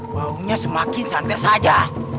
baunya semakin santer saja